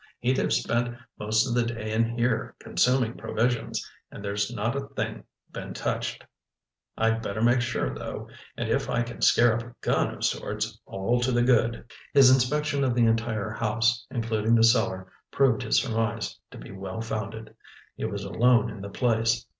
"He'd have spent most of the day in here, consuming provisions, and there's not a thing been touched. I'd better make sure, though—and if I can scare up a gun of sorts, all to the good!" His inspection of the entire house, including the cellar, proved his surmise to be well founded. He was alone in the place.